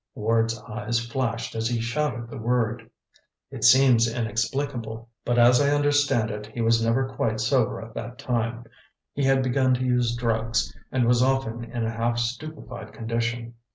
Ward's eyes flashed as he shouted the word. "It seems inexplicable; but as I understand it, he was never quite sober at that time; he had begun to use drugs, and was often in a half stupefied condition.